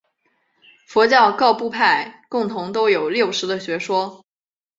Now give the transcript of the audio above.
佛教各部派共同都有六识的学说。